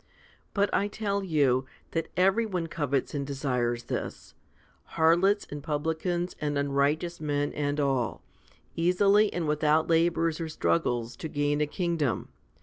But I tell you, that everyone covets and desires this harlots and publicans and unrighteous men and all easily and without labours or struggles to gain a kingdom.